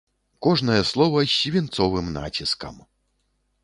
Кожнае слова з свінцовым націскам.